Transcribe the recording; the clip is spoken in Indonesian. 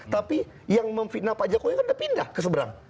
tapi yang memfitnah pajak koi sudah pindah ke seberang